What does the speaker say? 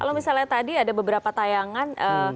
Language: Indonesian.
kalau misalnya tadi ada beberapa tayangan